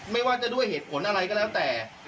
ไม่ว่าจะด้วยเหตุผลอะไรก็แล้วแต่